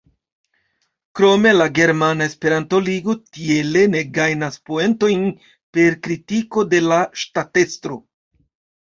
Krome la Germana Esperanto-Ligo tiele ne gajnas poentojn per kritiko de la ŝtatestro.